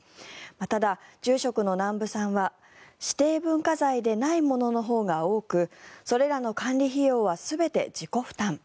ただ、住職の南部さんは指定文化財でないもののほうが多くそれらの管理費用は全て自己負担。